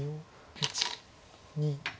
１２。